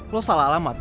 lo salah alamat